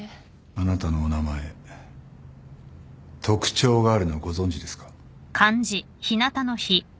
あなたのお名前特徴があるのご存じですか？